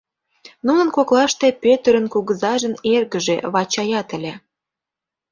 Нунын коклаште Пӧтырын кугызажын эргыже Вачаят ыле.